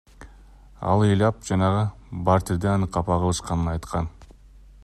Ал ыйлап жанагы батирде аны капа кылышканын айткан.